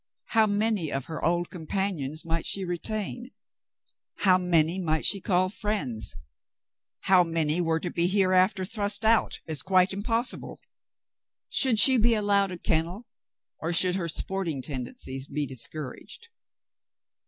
How many of her old companions might she retain ? How many might she call friends ? How Back to the Mountains 249 many were to be hereafter thrust out as quite impossible ? Should she be allowed a kennel, or should her sporting tendencies be discouraged